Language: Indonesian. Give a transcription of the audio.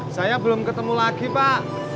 saya belum ketemu lagi pak